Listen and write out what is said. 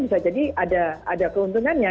bisa jadi ada keuntungannya